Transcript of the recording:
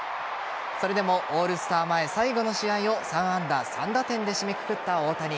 それでもオールスター前最後の試合を３安打３打点で締めくくった大谷。